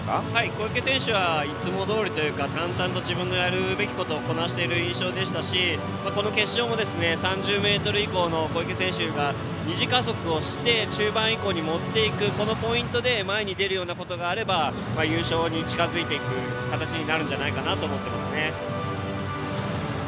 小池選手はいつもどおりというか淡々とやるべきことをこなしている印象でしたしこの決勝も３０ｍ以降の小池選手が２次加速をして中盤以降に持っていくポイントで前に出ることがあれば優勝に近づく形になるんじゃないかなと思っていますね。